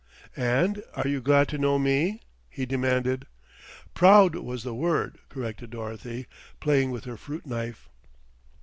"And are you glad to know me?" he demanded "'Proud' was the word," corrected Dorothy, playing with her fruit knife.